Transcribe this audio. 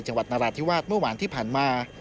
จังหวัดนราธิวาสเมื่อวานที่ผ่านมา